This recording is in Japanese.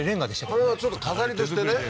あれはちょっと飾りとしてね